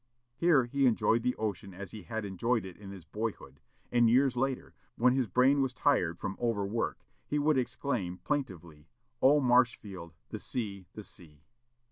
Here he enjoyed the ocean as he had enjoyed it in his boyhood, and years later, when his brain was tired from overwork, he would exclaim, plaintively, "Oh, Marshfield! the Sea! the Sea!"